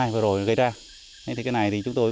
vừa rồi gây ra thì cái này thì chúng tôi